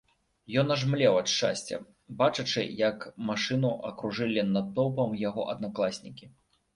Ён аж млеў ад шчасця, бачачы, як машыну акружылі натоўпам яго аднакласнікі.